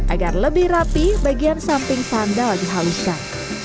agar lebih rapi bagian samping sandal dihaluskan